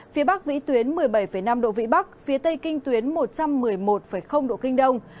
phía bắc vĩ tuyến một mươi bảy năm độ vĩ bắc phía tây kinh tuyến một trăm một mươi một độ kinh đông